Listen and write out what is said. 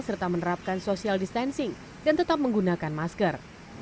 serta menerapkan social distancing dan tetap menggunakan masker